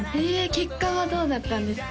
結果はどうだったんですか？